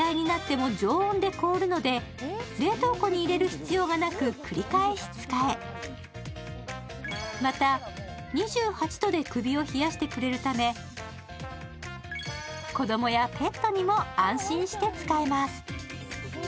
冷凍庫に入れる必要がなく、繰り返し使え、また２８度で首を冷やしてくれるため子供やペットにも安心して使えます。